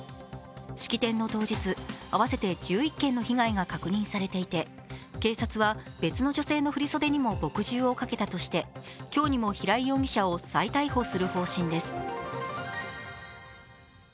式典の当日、合わせて１１件の被害が確認されていて警察は、別の女性の振り袖にも墨汁をかけたとして今日にも平井容疑者を再逮捕する方針です。